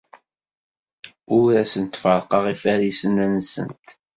Ur asent-ferrqeɣ ifarisen-nsent.